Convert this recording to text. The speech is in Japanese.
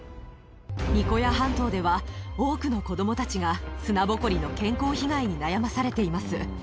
ニコヤ半島では、多くの子どもたちが砂ぼこりの健康被害に悩まされています。